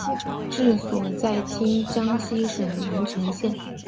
治所在今江西省南城县。